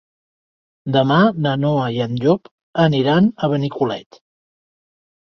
Demà na Noa i en Llop aniran a Benicolet.